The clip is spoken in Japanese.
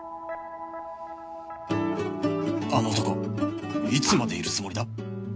あの男いつまでいるつもりだ？